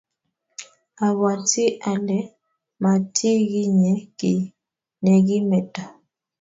abwatii ale makitinye kiy nekimetoo.